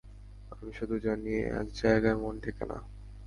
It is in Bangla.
আমি শুধু জানি, একজায়গায় মন টেকে না।